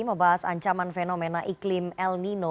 membahas ancaman fenomena iklim el nino